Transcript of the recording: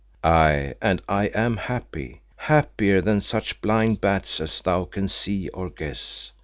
Aye and I am happy happier than such blind bats as thou can see or guess.